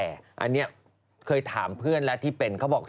คือกำลังจะออนแอนเรื่องสายรับป่วนรักที่ก็ถ่ายมาตรงนี้